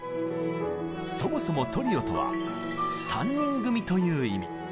そもそも「トリオ」とは３人組という意味。